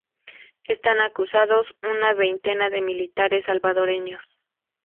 Están acusados una veintena de militares salvadoreños.